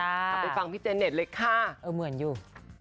เอาไปฟังพี่เจเน็ตเลยค่ะเออเหมือนอยู่